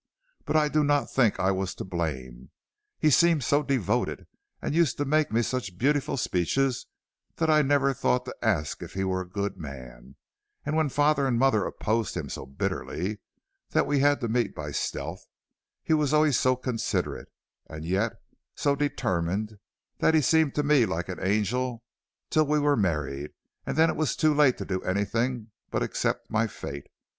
But I do not think I was to blame. He seemed so devoted, and used to make me such beautiful speeches that I never thought to ask if he were a good man; and when father and mother opposed him so bitterly that we had to meet by stealth, he was always so considerate, and yet so determined, that he seemed to me like an angel till we were married, and then it was too late to do anything but accept my fate.